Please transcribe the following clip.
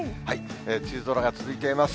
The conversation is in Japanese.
梅雨空が続いています。